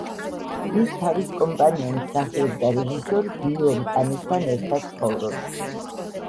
ის თავის კომპანიონ მსახიობ და რეჟისორ გიიომ კანესთან ერთად ცხოვრობს.